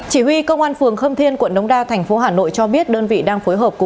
chỉ huy công an phường khâm thiên quận đống đa thành phố hà nội cho biết đơn vị đang phối hợp